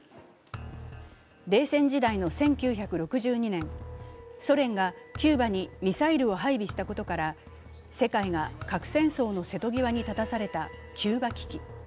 冷戦時代の１９６２年、ソ連がキューバにミサイルを配備したことから世界が核戦争の瀬戸際に立たされたキューバ危機。